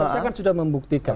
saya kan sudah membuktikan